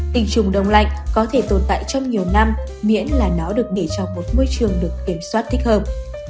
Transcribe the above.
tình trùng đông lạnh có thể tồn tại trong nhiều năm miễn là nó được để cho một môi trường được kiểm soát thích hợp